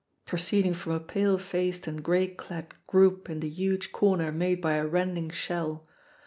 proceeding from a pale faced and gray clad group in the huge corner made by a rending shell.